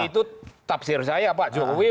itu tafsir saya pak jokowi